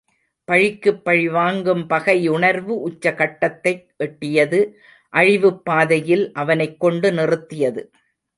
பழிக்குப் பழிவாங்கும் பகை உணர்வு உச்ச கட்டத்தை எட்டியது அழிவுப் பாதையில் அவனைக் கொண்டு நிறுத்தியது.